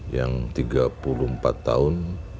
yang tiga puluh empat tahun